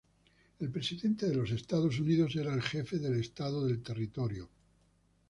El Presidente de los Estados Unidos era el Jefe de Estado del territorio.